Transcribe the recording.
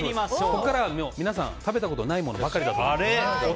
ここからは皆さん食べたことないものばかりだと思います。